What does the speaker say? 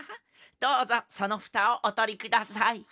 どうぞそのフタをおとりください。